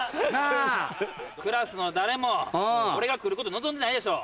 クラスの誰も俺が来ること望んでないでしょ。